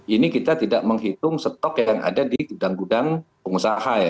ini kita tidak menghitung stok yang ada di gudang gudang pengusaha ya